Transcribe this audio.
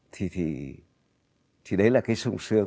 thì đấy là cái sùng sương